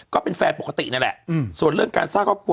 ก็เป็นแฟนปกตินั่นแหละส่วนเรื่องการสร้างครอบครัว